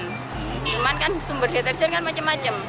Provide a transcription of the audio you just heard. cuman kan sumber deterjen kan macam macam